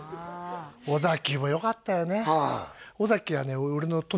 尾崎もよかったよねはいえ！